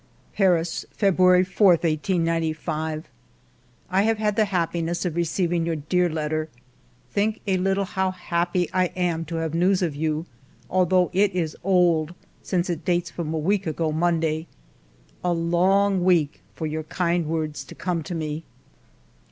... 90 FIVE YEARS OF MY LIFE "Paris, February 4, 1895. " I have had the happiness of receiving your dear letter. Think a little how happy I am to have news of you, although it is old, since it dates from a week ago Monday. A long week for your kind words to come to me."